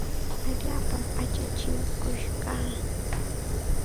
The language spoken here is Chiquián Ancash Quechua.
Allaapam achachikush kaa.